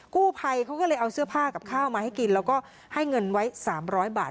กู้ภัยเขาก็เลยเอาเสื้อผ้ากับข้าวมาให้กินแล้วก็ให้เงินไว้๓๐๐บาท